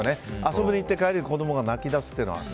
遊びに行って帰りに子供が泣き出すというのは。